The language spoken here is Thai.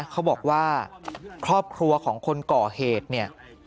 เขาบอกว่าครอบครัวของคนก่อเหตุเนี่ย